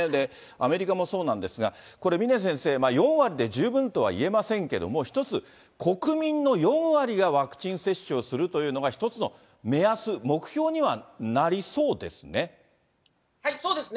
アメリカもそうなんですが、これ峰先生、４割で十分とは言えませんけれども、一つ、国民の４割がワクチン接種をするというのが一つの目安、目標にはなりそうですね。